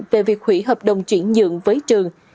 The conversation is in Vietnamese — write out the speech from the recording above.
về việc hủy hợp đồng chuyển nhượng với trường